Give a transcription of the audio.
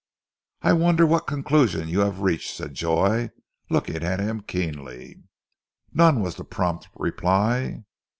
"I wonder what conclusion you have reached," said Joy, looking at him keenly. "None," was the prompt reply.